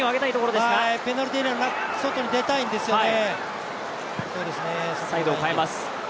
ペナルティーエリアの外に出たいんですよね。